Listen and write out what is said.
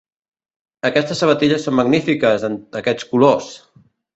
Aquestes sabatilles són magnífiques en aquests colors!